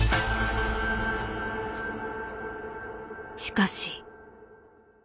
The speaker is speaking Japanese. しかし。